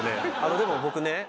でも僕ね。